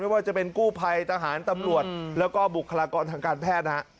ว่าจะเป็นกู้ภัยทหารตำรวจแล้วก็บุคลากรทางการแพทย์นะฮะ